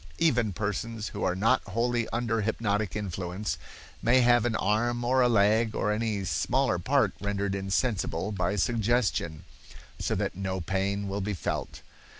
Even persons who are not wholly under hypnotic influence may have an arm or a leg, or any smaller part rendered insensible by suggestion, so that no pain will be felt.